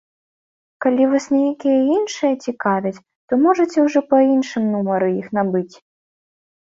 Калі вас нейкія іншыя цікавяць, то можаце ўжо па іншым нумары іх набыць.